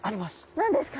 何ですか？